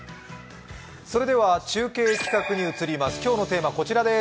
それでは中継企画に移ります。